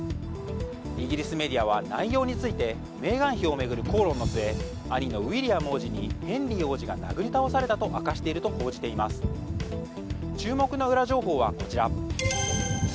イギリスメディアは内容についてメーガン妃を巡る口論の末兄のウィリアム王子にヘンリー王子が殴り倒されたと明かしていると報じています。